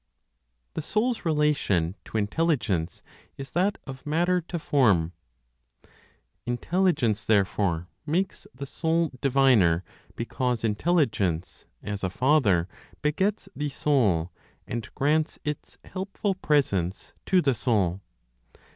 THE SOUL'S RELATION TO INTELLIGENCE IS THAT OF MATTER TO FORM. Intelligence therefore, makes the Soul diviner, because Intelligence (as a father) begets the Soul, and grants its (helpful) presence to the Soul.